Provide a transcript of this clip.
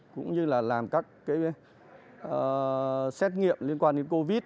cũng như là làm các cái xét nghiệm liên quan đến covid